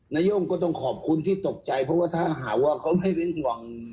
นาย่งก็ต้องขอบคุณที่ตกใจเพราะว่าถ้าหากว่าเขาไม่เป็นห่วง